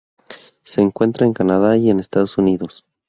Se encuentra en Canadá y en Estados Unidos.